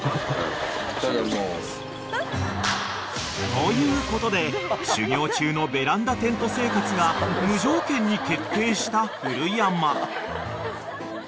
［ということで修業中のベランダテント生活が無条件に決定した古山］